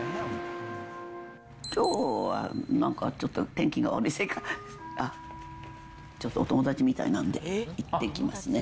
きょうはなんかちょっと天気が悪いせいか、あっ、ちょっとお友達みたいなんで、行ってきますね。